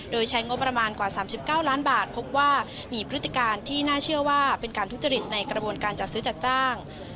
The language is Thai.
โดยใช้งบประมาณกว่า๓๙ล้านบาทพบว่ามีพฤติการที่น่าเชื่อว่าเป็นการทุจริตในกระบวนการจัดซื้อจัดจ้าง